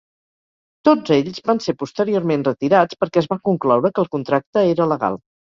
Tots ells van ser posteriorment retirats perquè es va concloure que el contracte era legal.